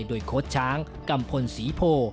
โดยโค้ชช้างกัมพลศรีโพ